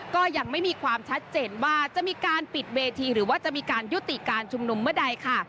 ก็ยังไม่มีความชัดเจนว่าจะมีการปิดเวทีหรือว่าจะมีการยุติการชุมนุมเมื่อใดค่ะ